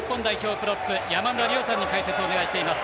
プロップ山村亮さんに解説をお願いしています。